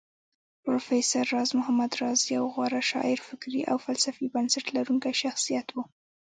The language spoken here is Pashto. پروفېسر راز محمد راز يو غوره شاعر فکري او فلسفي بنسټ لرونکی شخصيت و